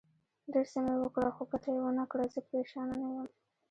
ډېر څه مې وکړل، خو ګټه یې ونه کړه، زه پرېشانه نه یم.